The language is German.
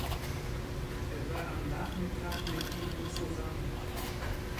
Er war am Nachmittag mit ihnen zusammen.